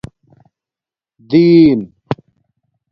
دین